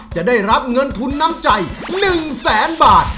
จะได้รับเงินทุนน้ำใจ๑แสนบาท